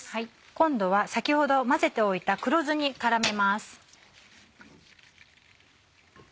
今度は先ほど混ぜておいた黒酢に絡めます。